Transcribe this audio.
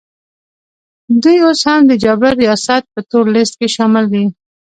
دوی اوس هم د جابر ریاست په تور لیست کي شامل دي